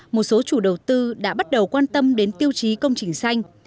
một số chủ đầu tư đã bắt đầu quan tâm đến tiêu chí công trình xanh